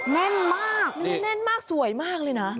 แน่นมากแน่นมากสวยมากเลยนะ